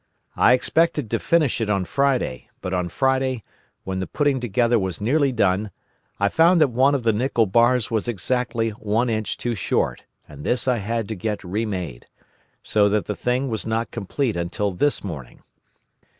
I expected to finish it on Friday; but on Friday, when the putting together was nearly done, I found that one of the nickel bars was exactly one inch too short, and this I had to get remade; so that the thing was not complete until this morning.